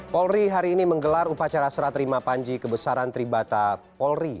polri hari ini menggelar upacara serah terima panji kebesaran tribata polri